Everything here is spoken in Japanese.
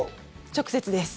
直接です。